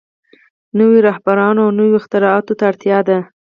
نويو رهبرانو او نويو اختراعاتو ته اړتيا ده.